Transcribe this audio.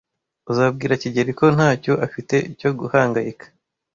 Uzabwira kigeli ko ntacyo afite cyo guhangayika?